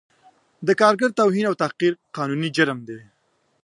د کارګر توهین او تحقیر قانوني جرم دی